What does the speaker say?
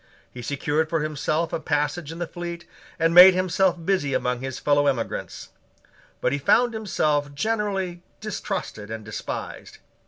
He secured for himself a passage in the fleet, and made himself busy among his fellow emigrants: but he found himself generally distrusted and despised.